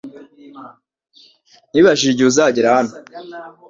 Nibajije igihe uzagera hano